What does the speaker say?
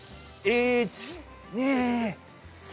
１２３！